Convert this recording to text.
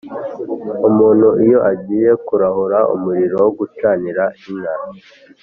Umuntu iyo agiye kurahura umuriro wo gucanira inka